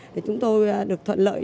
để chúng tôi được thuận lợi